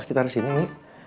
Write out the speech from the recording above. sekitar sini mi